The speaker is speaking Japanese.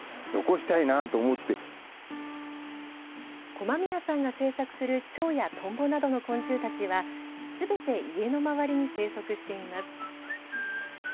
駒宮さんが制作する蝶やとんぼなどの昆虫たちはすべて家の周りに生息しています。